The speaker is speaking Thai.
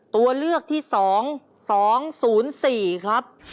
ตัวเลือกที่๒๒๐๔ครับ